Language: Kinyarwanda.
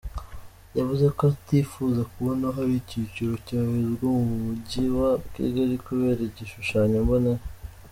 Yavuze ko atifuza kubona hari icyiciro cyahezwa mu mujyi wa Kigali kubera igishushanyo mbonera.